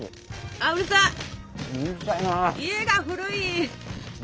家が古い！